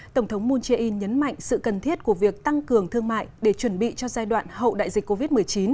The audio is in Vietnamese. tổng thống moon jae in nhấn mạnh sự cần thiết của việc tăng cường thương mại để chuẩn bị cho giai đoạn hậu đại dịch covid một mươi chín